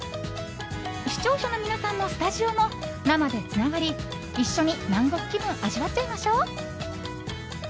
視聴者の皆さんもスタジオも生でつながり一緒に南国気分を味わっちゃいましょう。